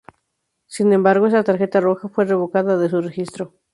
Sin embargo, esta tarjeta roja fue revocada de su registro.